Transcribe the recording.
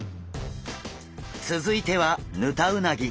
続いてはヌタウナギ。